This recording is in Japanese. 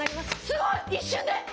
すごい！一瞬で！